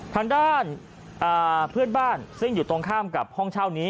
ทางด้านเพื่อนบ้านซึ่งอยู่ตรงข้ามกับห้องเช่านี้